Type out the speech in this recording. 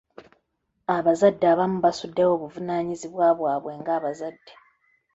Abazadde abamu basuddewo obuvunaanyizibwa bwabwe nga bazadde.